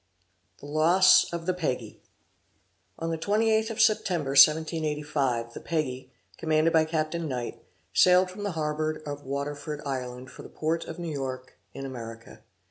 THE LOSS OF THE PEGGY. On the 28th of September, 1785, the Peggy, commanded by Capt. Knight, sailed from the harbor of Waterford, Ireland, for the port of New York, in America.